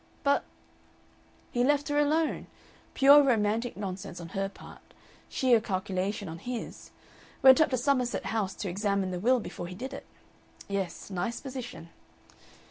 "But " "He left her alone. Pure romantic nonsense on her part. Sheer calculation on his. Went up to Somerset House to examine the will before he did it. Yes. Nice position."